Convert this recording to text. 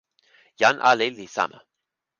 jan ali li sama.